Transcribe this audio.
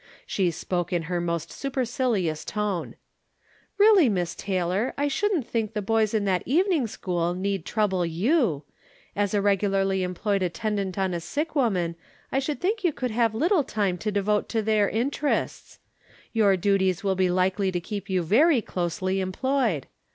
She spoke in her most supercilious tone : "Really, IMiss Taylor, I shouldn't think the boys in that evening school need trouble you. As a regularly employed attendant on a sick wo 276 From Different Standpoints. man I siiould think you could have little time to devote to their interests. Your duties wiH be likely to keep you very closely employed.